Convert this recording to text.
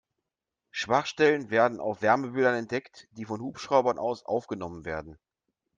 Schwachstellen werden auf Wärmebildern entdeckt, die von Hubschraubern aus aufgenommen werden.